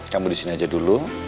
kamu disini aja dulu